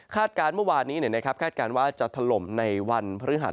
คาดการณ์เมื่อวานนี้นะครับคาดการณ์ว่าจะถล่มในวันพฤหัส